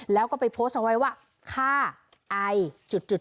แล้วก็ไปโพสต์เอาไว้ว่าฆ่าไอจุด